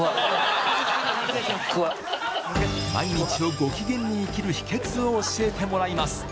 毎日をご機嫌に生きる秘けつを教えてもらいます。